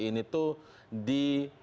ini tuh di